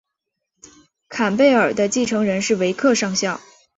坎贝尔的继承人是维克上校。